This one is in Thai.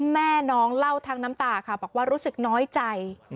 แม่น้องเล่าทั้งน้ำตาค่ะบอกว่ารู้สึกน้อยใจ